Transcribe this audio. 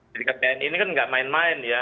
jadikan tni ini kan nggak main main ya